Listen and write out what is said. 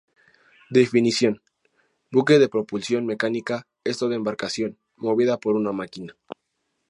Definición: buque de propulsión mecánica es toda embarcación movida por una máquina.